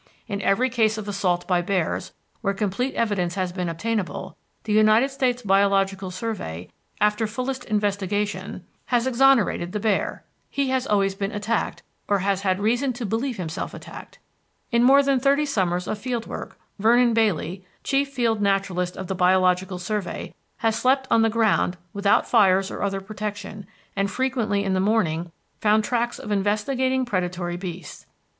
In every case of assault by bears where complete evidence has been obtainable, the United States Biological Survey, after fullest investigation, has exonerated the bear; he has always been attacked or has had reason to believe himself attacked. In more than thirty summers of field work Vernon Bailey, Chief Field Naturalist of the Biological Survey, has slept on the ground without fires or other protection, and frequently in the morning found tracks of investigating predatory beasts.